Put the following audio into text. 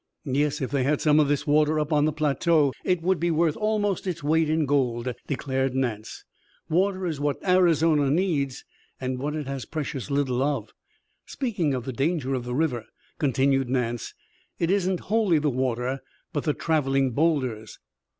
"Yes, if they had some of this water up on the plateau it would be worth almost its weight in gold," declared Nance. "Water is what Arizona needs and what it has precious little of. Speaking of the danger of the river," continued Nance, "it isn't wholly the water, but the traveling boulders."